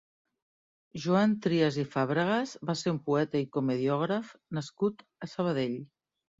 Joan Trias i Fàbregas va ser un poeta i comediògraf nascut a Sabadell.